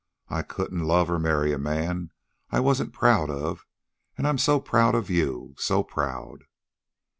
I couldn't love or marry a man I wasn't proud of, and I'm so proud of you, so proud."